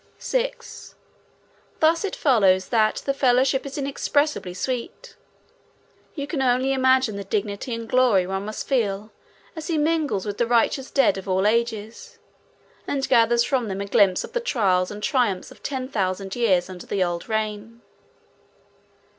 6. Thus it follows that the fellowship is inexpressibly sweet. You can only imagine the dignity and glory one must feel as he mingles with the righteous dead of all ages, and gathers from them a glimpse of the trials and triumphs of ten thousand years under the old reign.